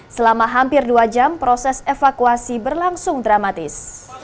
selama hampir dua jam proses evakuasi berlangsung dramatis